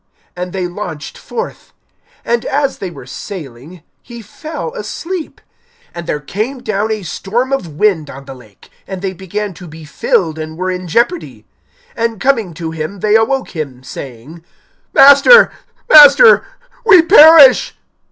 And they launched forth. (23)And as they were sailing, he fell asleep. And there came down a storm of wind on the lake; and they began to be filled, and were in jeopardy. (24)And coming to him, they awoke him, saying: Master, Master, we perish.